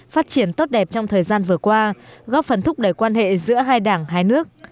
phát triển tốt đẹp trong thời gian vừa qua góp phần thúc đẩy quan hệ giữa hai đảng hai nước